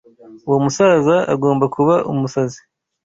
Uwo musaza agomba kuba umusazi.